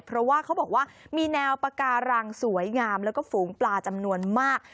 เพราะว่าเขาบอกว่ามีแนวปาการังสวยงามแล้วก็ฝูงปลาจำนวนมาก